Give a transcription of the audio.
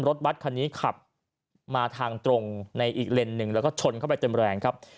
รถบัตรคันนี้ขับมาทางตรงในอีกเลนส์หนึ่งแล้วก็ชนเข้าไปเต็มแรงครับ